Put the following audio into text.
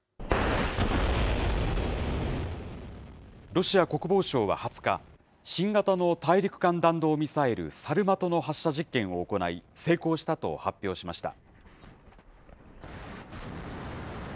ロシア国防省は２０日、新型の大陸間弾道ミサイル、サルマトの発射実験を行い、成功したと発表しました。